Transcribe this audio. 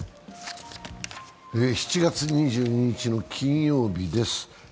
７月２２日の金曜日です。